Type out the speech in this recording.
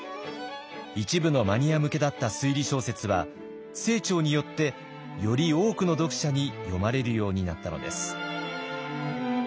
一部のマニア向けだった推理小説は清張によってより多くの読者に読まれるようになったのです。